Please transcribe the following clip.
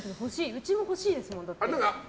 うちも欲しいですもん。